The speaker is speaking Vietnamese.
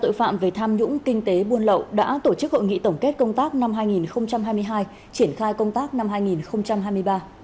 tội phạm về tham nhũng kinh tế buôn lậu đã tổ chức hội nghị tổng kết công tác năm hai nghìn hai mươi hai triển khai công tác năm hai nghìn hai mươi ba